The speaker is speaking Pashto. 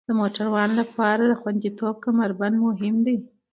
د موټروان لپاره خوندیتوب کمربند مهم دی.